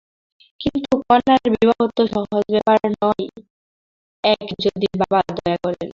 কিন্তু কন্যার বিবাহ তো সহজ ব্যাপার নয়–এক, যদি বাবা দয়া করেন।